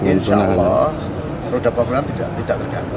insya allah roda pembangunan tidak terganggu